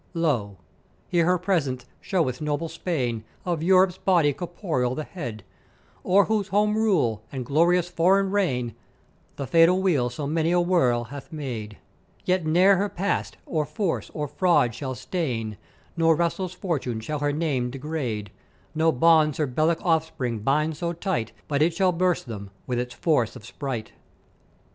"Lo! here her presence showeth noble Spain, of Europe's body corporal the head; o'er whose home rule, and glorious foreign reign, the fatal Wheel so many a whirl hath made; Yet ne'er her Past or force or fraud shall stain, nor restless Fortune shall her name degrade; no bonds her bellic offspring bind so tight but it shall burst them with its force of sprite.